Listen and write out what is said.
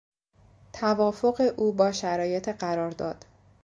توافق او با شرایط قرار داد